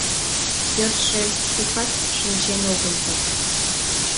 Пӧртшӧ шукат шинчен огыл дыр.